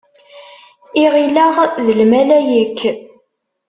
I ɣileɣ d lmalayek.